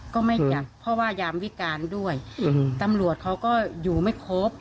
ก็ไม่จับเพราะว่ายามวิการด้วยตำรวจเขาก็อยู่ไม่ครบ